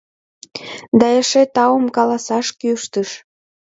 Да эше таум каласаш кӱштыш.